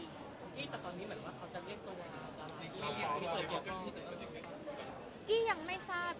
พี่แต่ตอนนี้เขาจะเลี่ยงประกอบกับกี้กลางอยู่ไหน